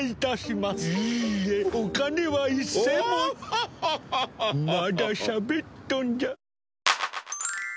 まだしゃべっとんじゃ。